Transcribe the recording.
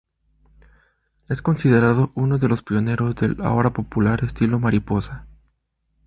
Es considerado uno de los pioneros del ahora popular estilo mariposa.